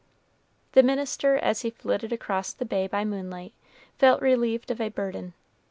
The minister, as he flitted across the bay by moonlight, felt relieved of a burden.